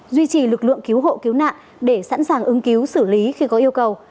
duy trì lực lượng cứu hộ cứu nạn để sẵn sàng ứng cứu xử lý khi có yêu cầu